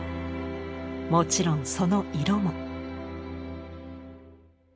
もちろんその色も。